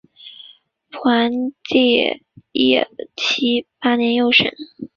晋安帝义熙八年又省。